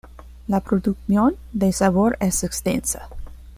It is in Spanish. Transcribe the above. La producción de Sabor es extensa.